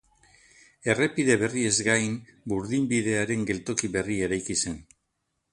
Errepide berriez gain, burdinbidearen geltoki berria eraiki zen.